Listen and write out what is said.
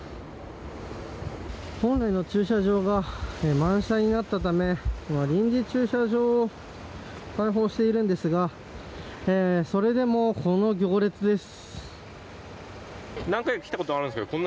本来の駐車場が満車になったため今、臨時駐車場を開放しているんですがそれでも、この行列です。